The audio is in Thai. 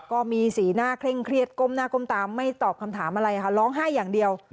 ก็มีสีหน้าเคร่งเครียดก้มหน้าก้มตาไม่ตอบคำถามอะไรค่ะร้องไห้อย่างเดียว